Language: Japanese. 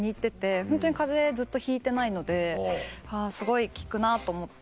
ホントに風邪ずっとひいてないのですごい効くなと思って。